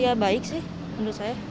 ya baik sih menurut saya